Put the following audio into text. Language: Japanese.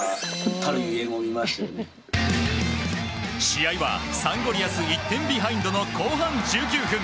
試合はサンゴリアス１点ビハインドの後半１９分。